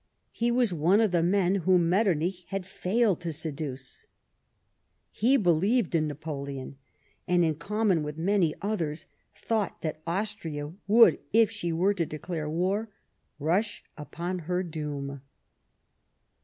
He was one of the men whom Metternich had failed to seduce. He believed in Napoleon, and, in common with many others, thought that Austria would, if she were to declare war, rush upon her doom.